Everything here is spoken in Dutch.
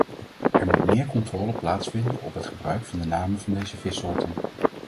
Er moet meer controle plaatsvinden op het gebruik van de namen van deze vissoorten.